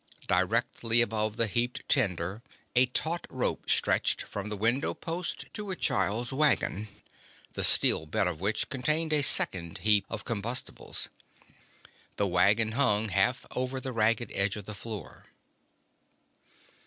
Directly above the heaped tinder a taut rope stretched from the window post to a child's wagon, the steel bed of which contained a second heap of combustibles. The wagon hung half over the ragged edge of the floor.